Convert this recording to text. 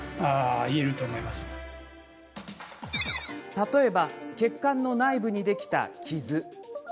例えば、血管の内部にできた傷。